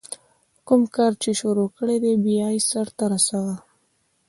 کوم کار چي شروع کړې، بیا ئې سر ته رسوه.